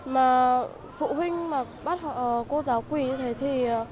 mà phụ huynh mà bắt họ cô giáo quỳ như thế thì